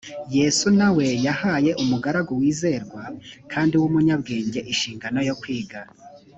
yesu na we yahaye umugaragu wizerwa kandi w umunyabwenge inshingano yo kwiga